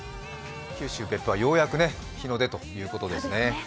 九州・別府は、ようやく日の出ということですね。